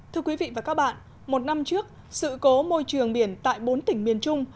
thưa quý vị và các bạn một năm trước sự cố môi trường biển tại bốn tỉnh miền trung